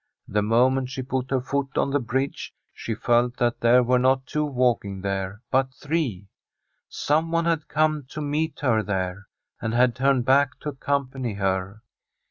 The moment she put her foot on the bridgfc she felt that there were not two walking there, but three. Someone had come to meet her From a SfTEDISH HOMESTEAD there, and had turned back to accompany her.